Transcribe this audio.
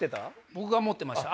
僕が持ってました。